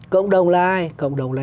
cộng đồng là ai cộng đồng là